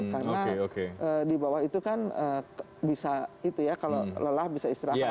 karena di bawah itu kan bisa itu ya kalau lelah bisa istirahat